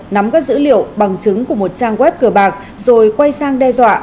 nắm các dữ liệu bằng chứng của một trang web cờ bạc rồi quay sang đe dọa